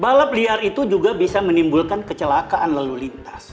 balap liar itu juga bisa menimbulkan kecelakaan lalu lintas